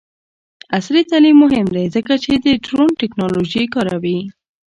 عصري تعلیم مهم دی ځکه چې د ډرون ټیکنالوژي کاروي.